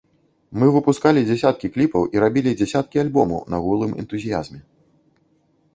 Мы выпускалі дзясяткі кліпаў і рабілі дзесяткі альбомаў на голым энтузіязме.